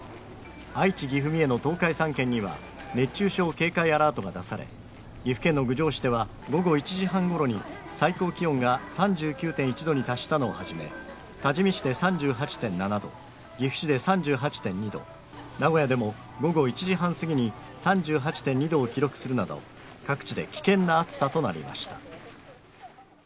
愛知・岐阜・三重の東海３県には熱中症警戒アラートが出され、岐阜県の郡上市では午後１時半ごろに最高気温が３９．１度に達したのをはじめ、多治見市で３８．７度、岐阜市で３８．２度、名古屋でも午後１時半すぎに３８．２度を記録するなど各地で危険な暑さとなりました。